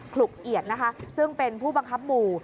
ลุกเอียดนะคะซึ่งเป็นผู้บังคับหมู่